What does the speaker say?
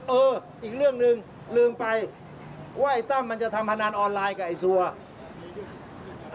เอออีกเรื่องหนึ่งลืมไปว่าไอ้ตั้มมันจะทำพนันออนไลน์กับไอ้ซัว